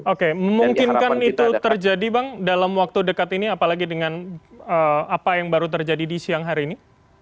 oke memungkinkan itu terjadi bang dalam waktu dekat ini apalagi dengan apa yang baru terjadi di siang hari ini